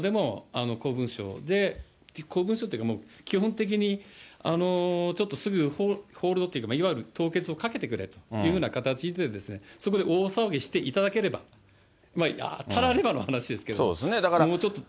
ですから、ここはあくまでも公文書で、公文書というか、基本的にちょっとすぐほうろう、いわゆる凍結をかけてくれというふうな形で、そこで大騒ぎしていただければ、たらればの話ですけれども、もうちょっと。